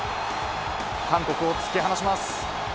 韓国を突き放します。